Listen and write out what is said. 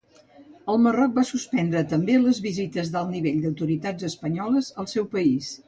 El Marroc va suspendre també les visites d'alt nivell d'autoritats espanyoles al seu país.